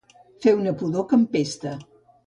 Fer una pudor que empesta.